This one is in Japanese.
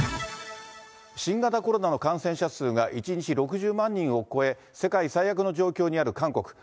新型コロナの感染者数が１日６０万人を超え、世界最悪の状況にある韓国。